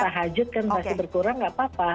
kalau mau tahajud kan pasti berkurang nggak apa apa